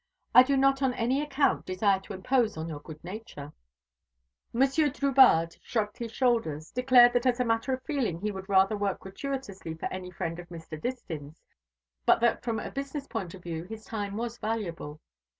I do not on any account desire to impose on your good nature." Monsieur Drubarde shrugged his shoulders, declared that as a matter of feeling he would rather work gratuitously for any friend of Mr. Distin's, but that from a business point of view his time was valuable.